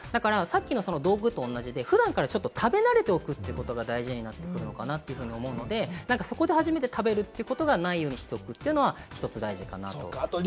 さっきの道具と同じで普段から食べ慣れておくことが大事なのかなと思うので、そこで初めて食べるということがないようにしておくというのは一つ大事かなと。